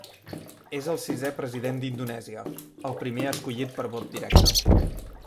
És el sisè president d'Indonèsia, el primer escollit per vot directe.